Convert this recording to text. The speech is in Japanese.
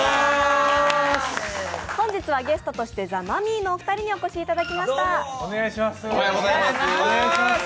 本日はゲストとしてザ・マミィのお二人にお越しいただきました。